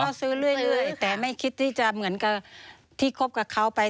ก็ซื้อเรื่อยแต่ไม่คิดที่จะเหมือนกับที่คบกับเขาไป